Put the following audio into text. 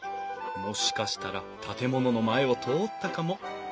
もしかしたら建物の前を通ったかも。